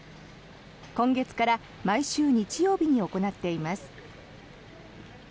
今月から毎週日曜日に行っています。